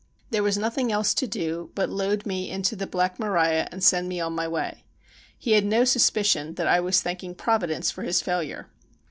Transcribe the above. There was nothing else to do but load me into the "Black Maria" and send me on my way. He had no suspicion that I was thanking Providence for his failure.